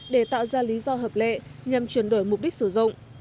để tạo ra lý do hợp lệ nhằm chuyển đổi mục đích sử dụng